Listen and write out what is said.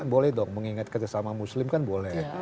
kan boleh dong mengingatkan sama muslim kan boleh